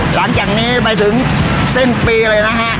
หลังจากนี้ไปถึงสิ้นปีเลยนะฮะ